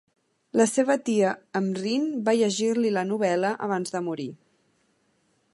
La seva tia Emrine va llegir-li la novel·la abans de morir.